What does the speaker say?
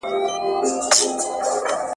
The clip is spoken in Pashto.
¬ تر وېش ئې په چور خوشاله دئ.